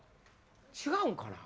違うんかな？